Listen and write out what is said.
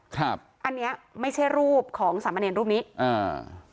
ครับอันเนี้ยไม่ใช่รูปของสามัญญาณรูปนี้อ่า